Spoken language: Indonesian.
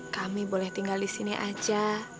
kami boleh tinggal di sini aja